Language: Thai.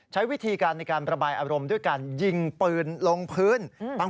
ใช้วิธีการในการประบายอารมณ์ด้วยการยิงปืนลงพื้น